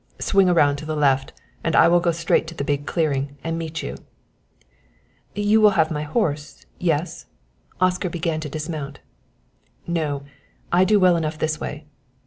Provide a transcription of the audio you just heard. Swing around to the left and I will go straight to the big clearing, and meet you." "You will have my horse yes?" Oscar began to dismount. "No; I do well enough this way.